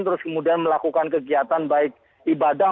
terus kemudian melakukan kegiatan baik ibadah